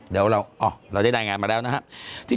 เดี๋ยวเราได้รายงานมาแล้วนะครับ